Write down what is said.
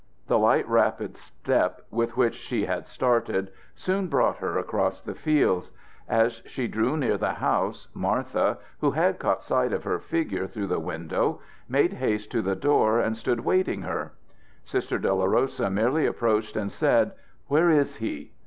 The light, rapid step with which she had started soon brought her across the fields. As she drew near the house, Martha, who had caught sight of her figure through the window, made haste to the door and stood awaiting her. Sister Dolorosa merely approached and said: "Where is he?"